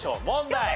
問題！